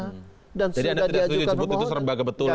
jadi anda tidak setuju sebut itu serba kebetulan